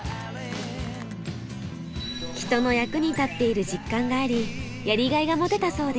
人の役に立っている実感がありやりがいが持てたそうです。